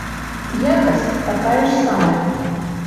Якасць такая ж самая.